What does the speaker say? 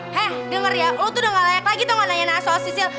he denger ya lo tuh udah gak layak lagi tau gak nanya soal sisil